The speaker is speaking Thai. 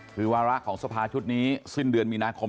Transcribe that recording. คือวาระของสภาชุดนี้สิ้นเดือนมีนาคม